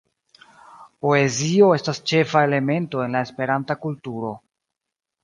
Poezio estas ĉefa elemento en la Esperanta kulturo.